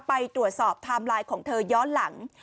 ไปตรวจสอบไทม์ไลน์ของเธอย้อนหลัง